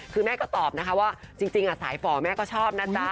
คือแม่ก็ตอบนะคะว่าจริงสายฝ่อแม่ก็ชอบนะจ๊ะ